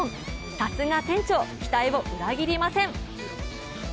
さすが店長、期待を裏切りません！